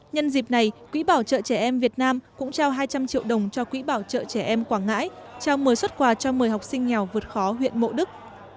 nhân dịp này quỹ bảo trợ trẻ em việt nam cũng trao hai trăm linh triệu đồng cho quỹ bảo trợ trẻ em quảng ngãi trao một mươi xuất quà cho một mươi học sinh nghèo vượt khó huyện mộ đức